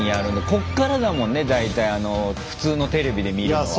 こっからだもんね大体普通のテレビで見るのは。